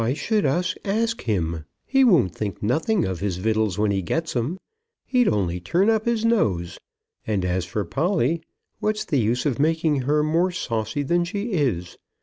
"Why should us ask him? He won't think nothing of his vittels when he gets 'em. He'd only turn up his nose; and as for Polly, what's the use of making her more saucy than she is?